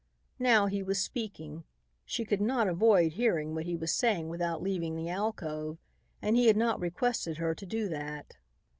Now he was speaking. She could not avoid hearing what he was saying without leaving the alcove, and he had not requested her to do that.